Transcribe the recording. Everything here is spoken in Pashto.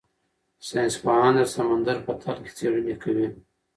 ساینس پوهان د سمندر په تل کې څېړنې کوي.